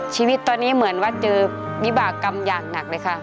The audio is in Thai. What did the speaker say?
ชีวิตตอนนี้เหมือนว่าเจอวิบากรรมอย่างหนักเลยค่ะ